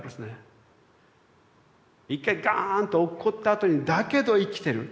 一回ガーンと落っこったあとにだけど生きてる。